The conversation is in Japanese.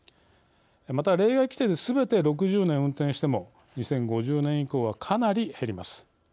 また、例外規定ですべて６０年運転しても２０５０年以降はかなり減ります。